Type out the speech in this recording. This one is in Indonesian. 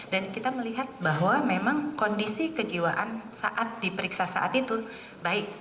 dan kita melihat bahwa memang kondisi kejiwaan saat diperiksa saat itu baik